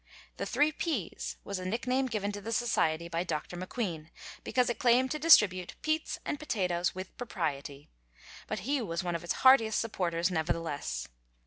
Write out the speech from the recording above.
"The three Ps" was a nickname given to the society by Dr. McQueen, because it claimed to distribute "Peats and Potatoes with Propriety," but he was one of its heartiest supporters nevertheless.